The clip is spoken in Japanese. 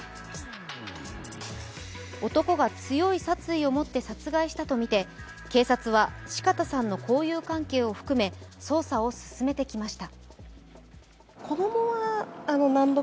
男が強い殺意をもって殺害したとみて、警察は四方さんの交友関係を含め捜査を進めてきました。